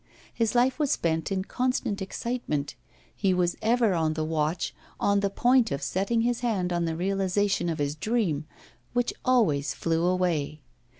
His life was spent in constant excitement; he was ever on the watch, on the point of setting his hand on the realisation of his dream, which always flew away.